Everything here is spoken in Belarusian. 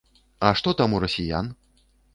А што там у расіян?